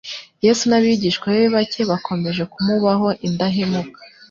Yesu n'abigishwa be bake bakomeje kumubaho indahemuka,